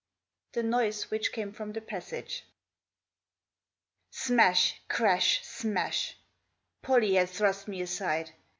THE NOISE WHICH CAME FROM THE PASSAGE, Smash, crash, smash 1 Pollie had thrust me aside.